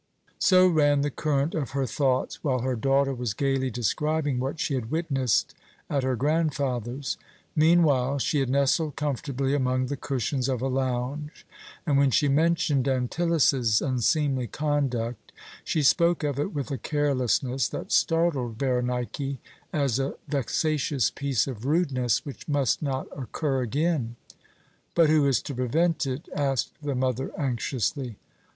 So ran the current of her thoughts while her daughter was gaily describing what she had witnessed at her grandfather's. Meanwhile she had nestled comfortably among the cushions of a lounge; and when she mentioned Antyllus's unseemly conduct, she spoke of it, with a carelessness that startled Berenike, as a vexatious piece of rudeness which must not occur again. "But who is to prevent it?" asked the mother anxiously.